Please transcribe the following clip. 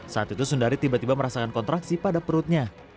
saat itu sundari tiba tiba merasakan kontraksi pada perutnya